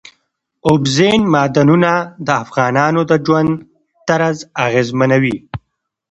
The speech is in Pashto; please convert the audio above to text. اوبزین معدنونه د افغانانو د ژوند طرز اغېزمنوي.